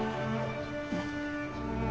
うん。